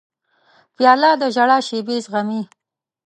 پیاله د ژړا شېبې زغمي.